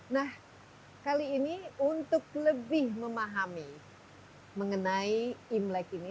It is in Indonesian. nah kali ini untuk lebih memahami mengenai imlek ini